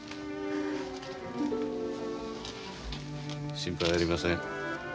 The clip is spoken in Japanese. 心配ありません。